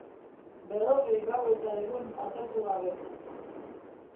Berrogei gau eta egun atertu gabe.